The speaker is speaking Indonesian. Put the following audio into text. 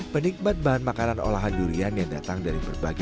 penikmat bahan makanan olahan durian yang datang dari budapest durian adalah